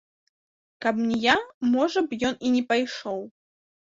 Каб не я, можа б, ён і не пайшоў.